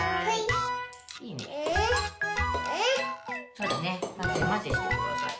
そうだねまぜまぜしてください。